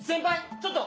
ちょっと！